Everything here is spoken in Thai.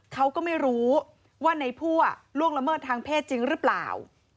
เขาก็ไม่รู้ว่าในพั่วล่วงละเมิดทางเพศจริงหรือเปล่า